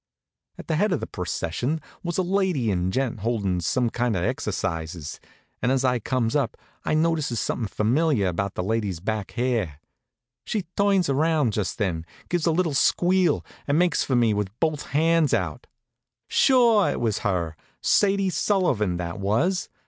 At the head of the procession was a lady and gent holdin' some kind of exercises, and as I comes up I notices something familiar about the lady's back hair. She turns around just then, gives a little squeal, and makes for me with both hands out. Sure, it was her Sadie Sullivan, that was.